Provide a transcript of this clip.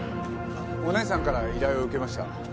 お姉さんから依頼を受けました。